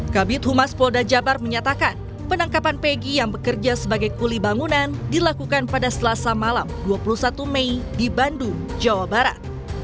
kabit humas polda jabar menyatakan penangkapan pegi yang bekerja sebagai kuli bangunan dilakukan pada selasa malam dua puluh satu mei di bandung jawa barat